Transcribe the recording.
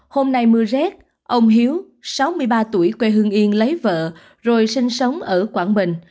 hôm nay mưa rét ông hiếu sáu mươi ba tuổi quê hương yên lấy vợ rồi sinh sống ở quảng bình